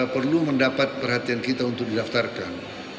perlu mendapat perhatian kita untuk didaftarkan